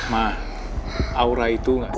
ma aura itu gak